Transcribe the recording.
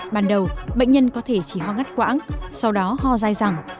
ban đầu bệnh nhân có thể chỉ ho ngắt quãng sau đó ho dài rằng